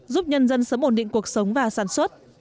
giúp nhân dân sớm ổn định cuộc sống và sản xuất